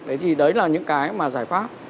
đấy là những cái mà giải pháp